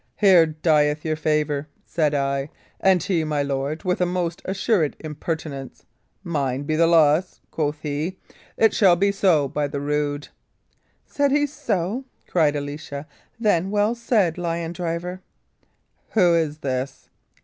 'Here dieth your favour,' said I; and he, my lord, with a most assured impertinence, 'Mine be the loss,' quoth he. It shall be so, by the rood!" "Said he so?" cried Alicia. "Then well said, lion driver!" "Who is this?"